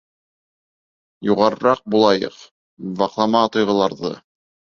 Юғарыраҡ булайыҡ, ваҡлама тойғоларҙы.